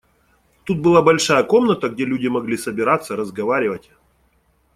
Тут была большая комната, где люди могли собираться, разговаривать.